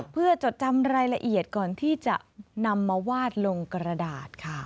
เพื่อจดจำรายละเอียดก่อนที่จะนำมาวาดลงกระดาษค่ะ